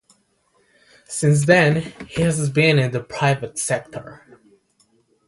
Since then, he has been in the private sector.